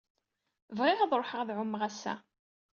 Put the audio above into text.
Bɣiɣ ad ruḥeɣ ad ɛummeɣ ass-a.